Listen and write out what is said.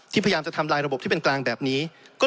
พยายามจะทำลายระบบที่เป็นกลางแบบนี้